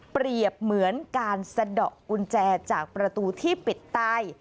เหมือนการสะดอกกุญแจจากประตูที่ปิดใต้